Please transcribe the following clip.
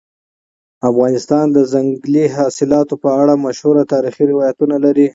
افغانستان د ځنګلي حاصلاتو په اړه مشهور تاریخي روایتونه لري.